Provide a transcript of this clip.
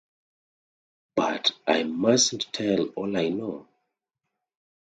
But I mustn’t tell all I know.